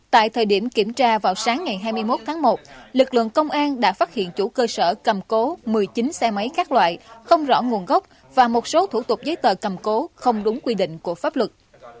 tại thời điểm kiểm tra vào sáng ngày hai mươi một tháng một lực lượng công an đã phát hiện chủ cơ sở cầm cố một mươi chín xe máy các loại không rõ nguồn gốc và một số thủ tục giấy tờ cầm cố không đúng quy định của pháp luật